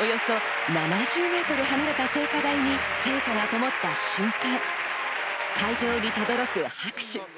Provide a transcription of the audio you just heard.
およそ７０ｍ離れた聖火台に聖火ともった瞬間、会場に轟く拍手。